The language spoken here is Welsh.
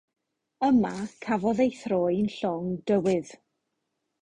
Yma cafodd ei throi'n llong dywydd.